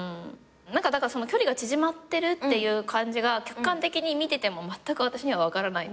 だからその距離が縮まってるっていう感じが客観的に見ててもまったく私には分からない。